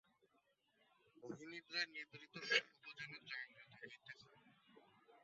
মহানিদ্রায় নিদ্রিত শব যেন জাগ্রত হইতেছে।